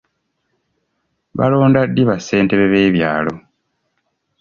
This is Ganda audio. Balonda ddi ba ssentebe b'ebyalo?